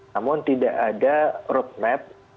namun tidak ada